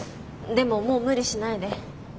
でももう無理しないで。